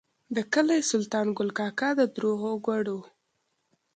د کلي سلطان ګل کاکا د دروغو ګوډی و.